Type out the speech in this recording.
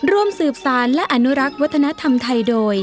ร่วมสืบสารและอนุรักษ์วัฒนธรรมไทยโดย